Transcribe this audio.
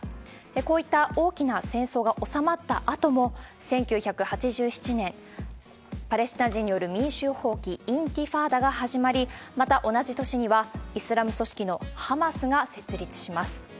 こういった大きな戦争が収まったあとも、１９８７年、パレスチナ人による民衆蜂起、インティファーダが始まり、また同じ年にはイスラム組織のハマスが設立します。